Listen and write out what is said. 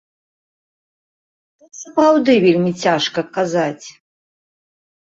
Тут сапраўды вельмі цяжка казаць.